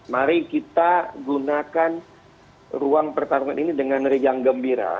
mari kita gunakan ruang pertarungan ini dengan riang gembira